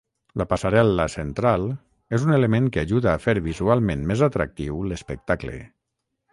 La passarel·la central és un element que ajuda a fer visualment més atractiu l'espectacle.